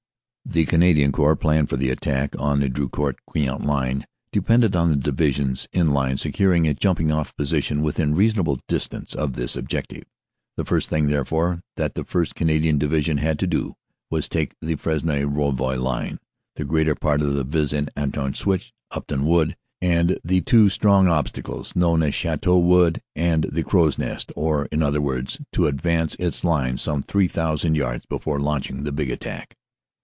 The Canadian Corps plan for the attack on the Drocourt Queant line depended on the divisions in line securing a jump ing off position within reasonable distance of this objective. The first thing, therefore, that the 1st. Canadian Division had to do was to take the Fresnoy Rouvroy line, the greater part of the Vis en Artois Switch, Upton Wood and the two strong 148 CANADA S HUNDRED DAYS obstacles known as Chateau Wood and the Crow s Nest, or, in other words, to advance its line some 3,000 yards before launch ing the big attack.